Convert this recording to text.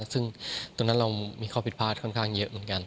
ซึ่งตรงนั้นเรามีข้อผิดพลาดค่อนข้างเยอะเหมือนกัน